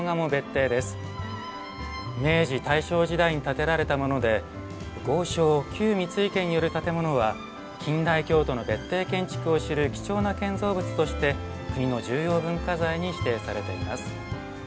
明治・大正時代に建てられたもので豪商旧三井家による建物は近代京都の別邸建築を知る貴重な建造物として国の重要文化財に指定されています。